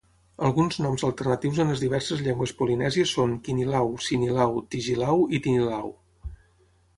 Alguns noms alternatius en les diverses llengües polinèsies són Kinilau, Sinilau, Tigilau i Tinilau.